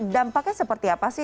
dampaknya seperti apa sih